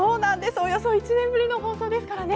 およそ１年ぶりの放送ですからね。